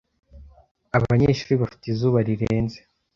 abanyeshuri bafite izuba rirenze